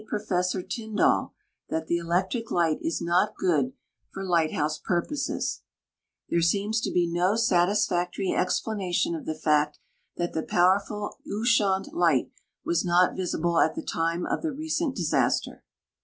I'rofessor Tyndall that the ehctric light is not good for lighthouse purisises. 4'here 284 MISCELLANEA seems to be no satisfactory explanation of the fact that the powerful Ushant light was not visible at the time of the recent disaster.